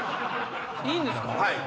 いいんですか？